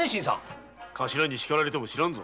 頭に叱られても知らんぞ。